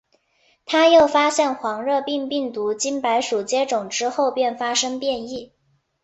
他又发现黄热病病毒经白鼠接种之后便发生变异。